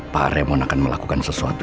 pak remon akan melakukan sesuatu